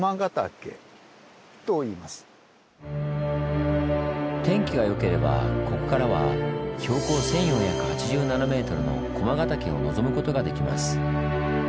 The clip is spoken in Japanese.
これが天気がよければここからは標高１，４８７ｍの駒ヶ岳を望むことができます。